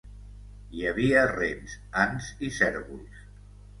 Hi havia rens, ants i cérvols.